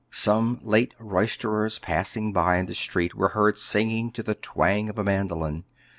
Some late roisterers passing by in the street were heard singing to the twang of a mandolin.